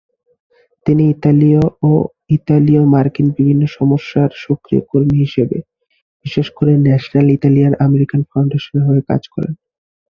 তিনি ইতালীয় ও ইতালীয় মার্কিন বিভিন্ন সমস্যায় সক্রিয় কর্মী হিসেবে, বিশেষ করে ন্যাশনাল ইতালিয়ান আমেরিকান ফাউন্ডেশনের হয়ে, কাজ করেন।